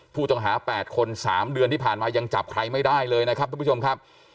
ผู้ต้องหา๘คน๓เดือนที่ผ่านมายังจับใครไม่ได้เลยนะครับทุกผู้ชมครับ